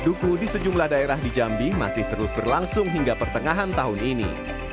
duku di sejumlah daerah di jambi masih terus berlangsung hingga pertengahan tahun ini